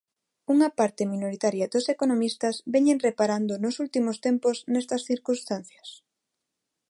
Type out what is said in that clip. Unha parte minoritaria dos economistas veñen reparando nos últimos tempos nestas circunstancias.